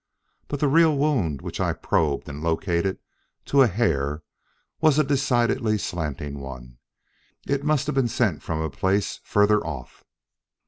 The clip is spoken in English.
But the real wound which I probed and located to a hair was a decidedly slanting one. It must have been sent from a place further off."